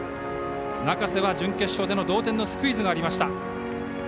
中瀬は準決勝で同点のスクイズがありました。